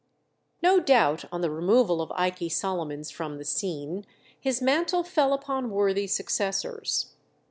No doubt, on the removal of Ikey Solomons from the scene, his mantle fell upon worthy successors.